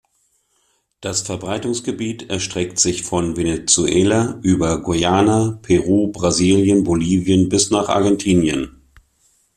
Das Verbreitungsgebiet erstreckt sich von Venezuela über Guyana, Peru, Brasilien, Bolivien bis nach Argentinien.